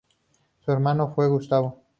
Su hermano fue Gustavo.